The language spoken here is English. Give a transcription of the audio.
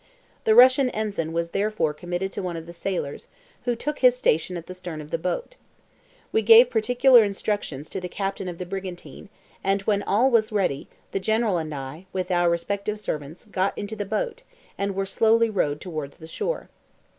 The Russian ensign was therefore committed to one of the sailors, who took his station at the stern of the boat. We gave particular instructions to the captain of the brigantine, and when all was ready, the General and I, with our respective servants, got into the boat, and were slowly rowed towards the shore.